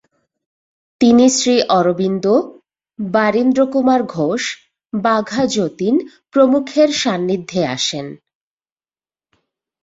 তিনি শ্রীঅরবিন্দ, বারীন্দ্রকুমার ঘোষ, বাঘা যতীন প্রমুখের সান্নিধ্যে আসেন।